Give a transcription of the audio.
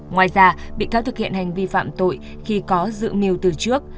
ngoài ra bị cáo thực hiện hành vi phạm tội khi có dự mưu từ trước